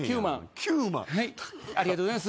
９万はいありがとうございます